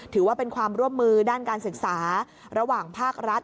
ถือว่าเป็นความร่วมมือด้านการศึกษาระหว่างภาครัฐ